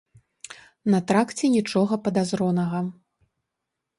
На тракце нічога падазронага.